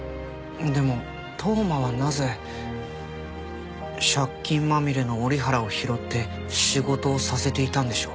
でも当麻はなぜ借金まみれの折原を拾って仕事をさせていたんでしょう？